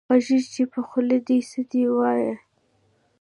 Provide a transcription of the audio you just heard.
غږېږه چې په خولې دې څه دي وې وايه